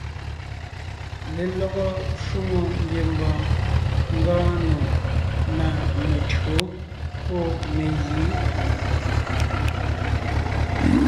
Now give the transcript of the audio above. Lelɔgɔ shwòŋo ngiembɔɔn ngɔɔn nò ná mentÿǒ pɔ́ megǐ.